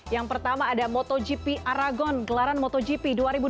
yang pertama ada motogp aragon gelaran motogp dua ribu dua puluh